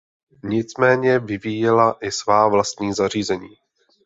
Nicméně vyvíjela i svá vlastní zařízení.